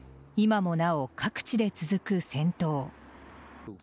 今もなお、各地で続く戦闘。